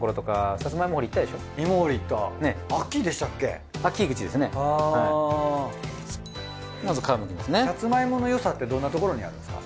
さつまいものよさってどんなところにあるんですか？